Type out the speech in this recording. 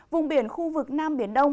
vùng biển khu vực nam biển đông